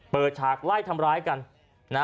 เปิดฉากไล่ทำร้ายกัน